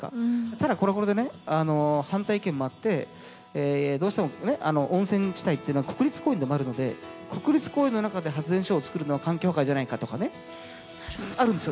ただこれもこれでね反対意見もあってどうしても温泉地帯っていうのは国立公園でもあるので国立公園の中で発電所を作るのは環境破壊じゃないかとかねあるんですよ。